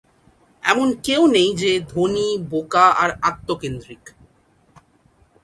এমন কেউ নেই যে ধনী, বোকা আর আত্মকেন্দ্রিক!